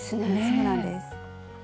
そうなんです。